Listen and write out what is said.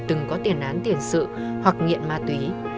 từng có tiền án tiền sự hoặc nghiện ma túy